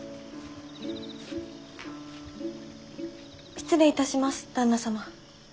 失礼いたします旦那様。